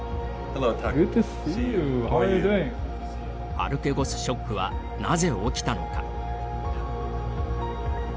アルケゴスショックはなぜ起きたのか。